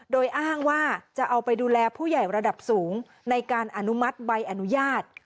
โดยอ้างว่าจะเอาไปดูแลผู้ใหญ่ระดับสูงในการอนุมัติใบอนุญาต